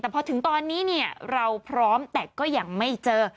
แต่พอถึงตอนนี้เนี่ยเราพร้อมแต่ก็ยังไม่เจอ